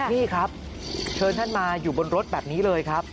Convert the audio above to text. นี่ครับเชิญท่านมาอยู่บนรถแบบนี้เลยครับ